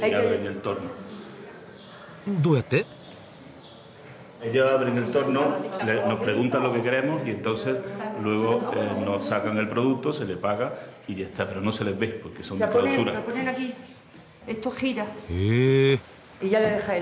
どうやって？へ。